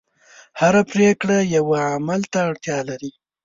هره پرېکړه یوه عمل ته اړتیا لري.